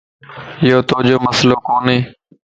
ايو توجو مسئلو ڪوني